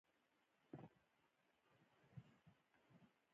د صلې او انعام له خامي طمعي څخه کړي وي.